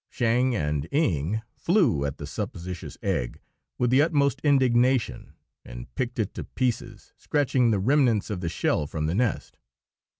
Shang and Eng flew at the suppositious egg with the utmost indignation and picked it to pieces, scratching the remnants of the shell from the nest....